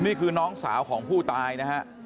นี่คือน้องสาวของผู้ตายนะฮะ